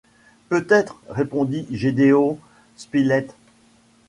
Peut-être, répondit Gédéon Spilett